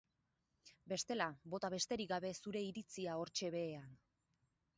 Bestela bota besterik gabe zure iritzia hortxe behean.